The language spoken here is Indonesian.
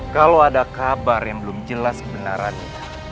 kalau ada kabar yang belum jelas kebenarannya